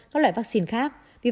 các loại vaccine covid một mươi chín